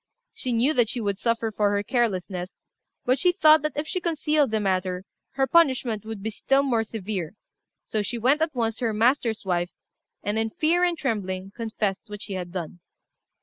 She knew that she would suffer for her carelessness; but she thought that if she concealed the matter her punishment would be still more severe; so she went at once to her master's wife, and, in fear and trembling, confessed what she had done.